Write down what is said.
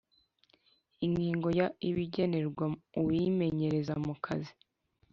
Ingingo ya Ibigenerwa uwimenyereza mu kazi